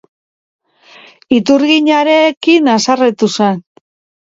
Iturginarekin haserretu zen.